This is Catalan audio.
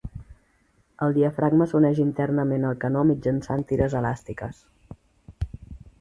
El diafragma s'uneix internament al canó mitjançant tires elàstiques.